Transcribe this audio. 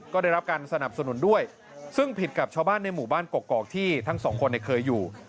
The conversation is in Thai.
ก็ได้รับการสนับสนุนด้วยซึ่งผิดกับชาวบ้านในหมู่บ้านกกอกที่ทั้งสองคนเคยอยู่